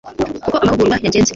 uko amahugurwa yagenze